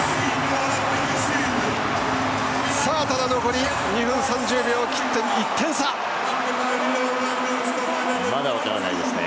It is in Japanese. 残り２分３０秒を切ってまだ分からないですね。